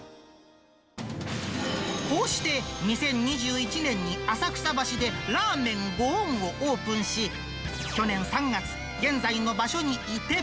こうして２０２１年に、浅草橋でらぁめんご恩をオープンし、去年３月、現在の場所に移転。